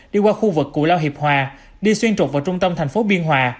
đi qua khu vực cụ lao hiệp hòa đi xuyên trục vào trung tâm thành phố biên hòa